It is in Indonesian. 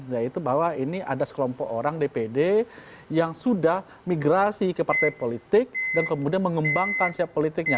yaitu bahwa ini ada sekelompok orang dpd yang sudah migrasi ke partai politik dan kemudian mengembangkan siap politiknya